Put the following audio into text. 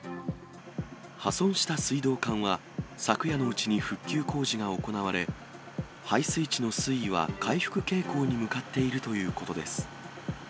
破損した水道管は、昨夜のうちに復旧工事が行われ、配水池の水位は回復傾向に向かっているということです。